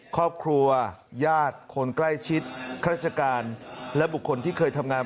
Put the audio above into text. ครอบครัวญาติคนใกล้ชิดราชการและบุคคลที่เคยทำงาน